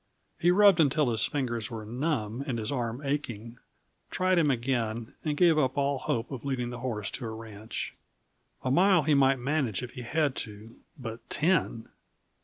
He rubbed until his fingers were numb and his arm aching, tried him again, and gave up all hope of leading the horse to a ranch. A mile he might manage, if he had to but ten!